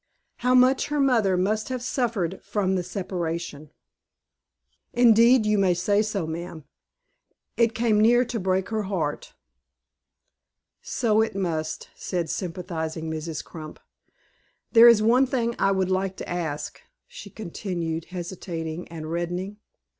How much her mother must have suffered from the separation!" "Indeed, you may say so, ma'am. It came near to break her heart." "So it must," said sympathizing Mrs. Crump. "There is one thing I would like to ask," she continued, hesitating and reddening.